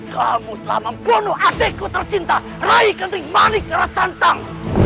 kamu telah membunuh adikku tersinta raih kering manik roh santam